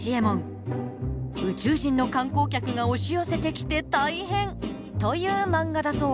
宇宙人の観光客が押し寄せてきて大変！という漫画だそう。